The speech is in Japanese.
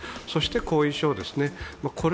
そして、後遺症です。